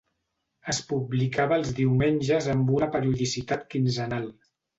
Es publicava els diumenges amb una periodicitat quinzenal.